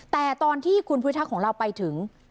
แต่ตอนที่คุณพิทักษ์ของเราไปถึง